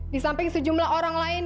di samping sejumlah orang lain